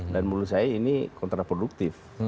dan menurut saya ini kontraproduktif